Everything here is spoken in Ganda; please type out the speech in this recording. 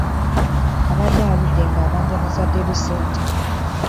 Abadde aludde ng'abanja bazadde be ssente.